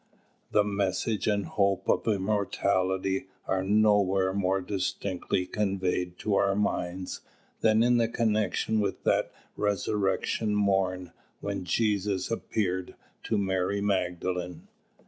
The message and hope of immortality are nowhere more distinctly conveyed to our minds than in connection with that resurrection morn when Jesus appeared to Mary Magdalene.